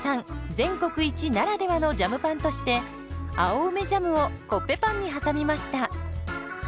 全国一ならではのジャムパンとして青梅ジャムをコッペパンに挟みました。